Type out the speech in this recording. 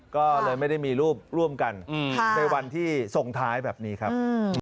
ก็เลยไม่ได้มีรูปร่วมกันในวันที่ส่งท้ายแบบนี้ครับ